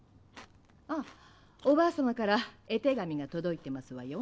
・あっおばあ様から絵手紙が届いてますわよ。